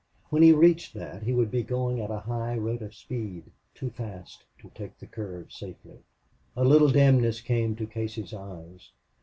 When he reached that he would be going at a high rate of speed too fast to take the curve safely. A little dimness came to Casey's eyes.